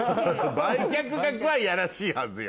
売却額はやらしいはずよ